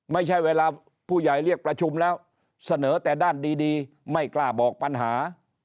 ไม่ใช่เวลาผู้ใหญ่เรียกประชุมแล้วเสนอแต่ด้านดีไม่กล้าบอกปัญหา